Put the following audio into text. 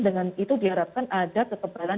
dengan itu diharapkan ada kekebalan